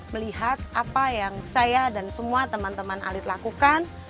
melihat apa yang saya dan semua teman teman alit lakukan